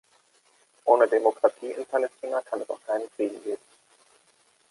Ohne Demokratie in Palästina kann es auch keinen Frieden geben.